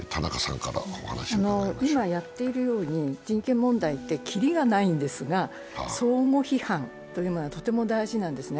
今やっているように、人権問題ってきりがないんですが、相互批判というのはとても大事なんですね。